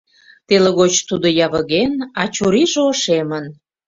Теле гоч тудо явыген, а чурийже ошемын.